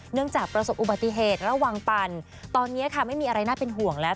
จากประสบอุบัติเหตุระวังปั่นตอนนี้ค่ะไม่มีอะไรน่าเป็นห่วงแล้ว